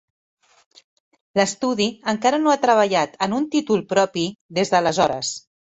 L'estudi encara no ha treballat en un títol propi des d'aleshores.